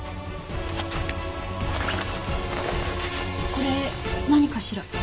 これ何かしら？